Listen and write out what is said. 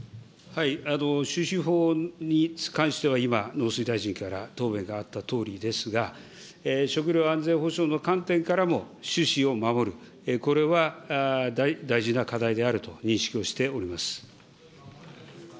種子法に関しては、今、農水大臣から答弁があったとおりですが、食料安全保障の観点からも、種子を守る、これは大事な課題であると認識をしております。